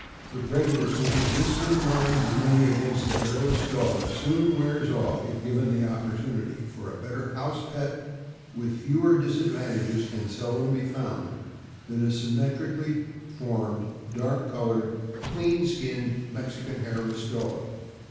The prejudice which exists in the minds of many against the hairless dog soon wears off if given the opportunity, for a better house pet, with fewer disadvantages, can seldom be found than a symmetrically formed, dark colored, clean skinned Mexican Hairless Dog.